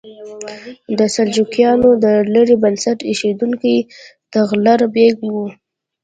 د سلجوقیانو د لړۍ بنسټ ایښودونکی طغرل بیګ و.